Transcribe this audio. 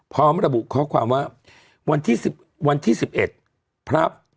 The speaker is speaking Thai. พร้อมระบุข้อความว่าวันที่๑๑พรับ